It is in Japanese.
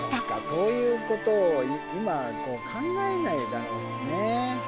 そういうことを今考えないだろうしね。